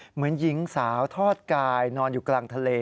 เหมือนหญิงสาวทอดกายนอนอยู่กลางทะเล